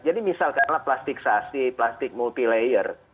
jadi misalkan lah plastik sasi plastik multi layer